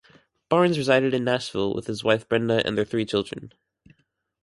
Barnes resided in Nashville with his wife Brenda and their three children.